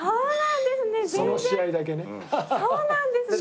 そうなんですね！